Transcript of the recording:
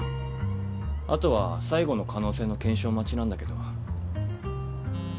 あとは最後の可能性の検証待ちなんだけど。